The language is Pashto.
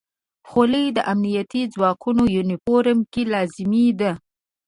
خولۍ د امنیتي ځواکونو یونیفورم کې لازمي ده.